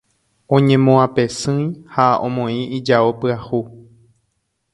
oñemoapesýi ha omoĩ ijao pyahu